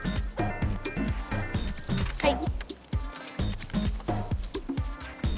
はい。